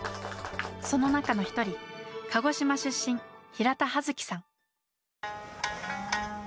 その中の一人鹿児島出身平田葉月さん。